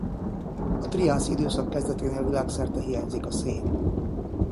A triász időszak kezdeténél világszerte hiányzik a szén.